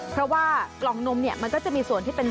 เพราะว่ากล่องนมเนี่ยมันก็จะมีส่วนที่เป็น